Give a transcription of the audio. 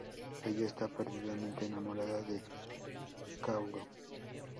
Ella está perdidamente enamorada de Kaoru.